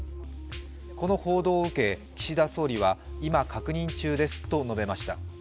この報道を受け、岸田総理は今、確認中ですと述べました。